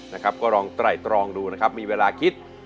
นะครับก็ลองไตรตรองดูนะครับมีเวลาคิด